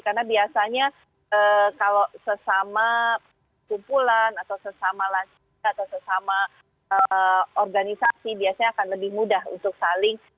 karena biasanya kalau sesama kumpulan atau sesama lansia atau sesama organisasi biasanya akan lebih mudah untuk saling